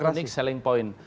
jadi ada unik selling point